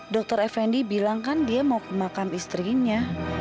dr effendi bilang kan dia mau ke makam istrinya